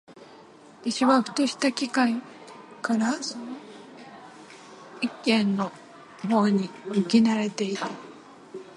私はふとした機会（はずみ）からその一軒の方に行き慣（な）れていた。